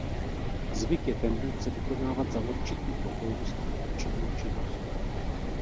Zvyk je tendence vykonávat za určitých okolností určitou činnost.